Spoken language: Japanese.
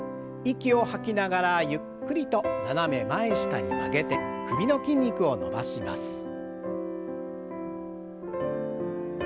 息を吐きながらゆっくりと斜め前下に曲げて首の筋肉を伸ばします。